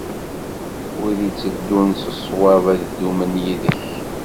Wid itteddun s ṣṣwab, ad dumen yid-k.